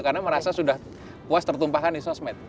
karena merasa sudah puas tertumpahkan di sosmed